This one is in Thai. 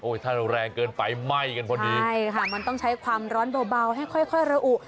ถ้าเราแรงเกินไฟไหม้กันพอดีใช่ค่ะมันต้องใช้ความร้อนเบาให้ค่อยค่อยระอุ